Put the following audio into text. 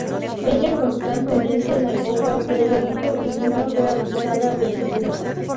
Ella constantemente negó cualquier delito y nunca fue acusada de ninguno.